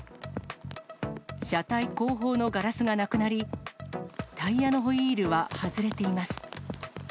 車体後方のガラスがなくなり、タイヤのホイールは外れています。